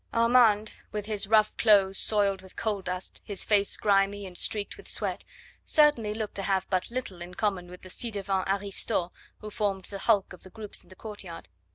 Armand, with his rough clothes soiled with coal dust, his face grimy and streaked with sweat, certainly looked to have but little in common with the ci devant aristos who formed the hulk of the groups in the courtyard.